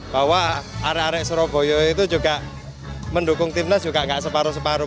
bahwa arek arek surabaya itu juga mendukung timnas juga gak separuh separuh